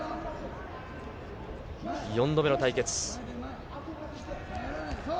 ４度目の対決。